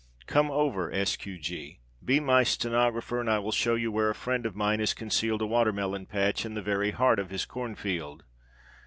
Come over, S. Q. G. Be my stenographer and I will show you where a friend of mine has concealed a watermelon patch in the very heart of his corn field.